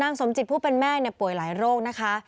สมจิตผู้เป็นแม่ป่วยหลายโรคนะคะ